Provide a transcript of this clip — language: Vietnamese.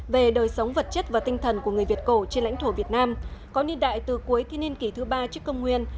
về đời sống vật chất và tinh thần của người việt cổ trên lãnh thổ việt nam có niên đại từ cuối kỷ niên kỷ thứ ba trước công nguyên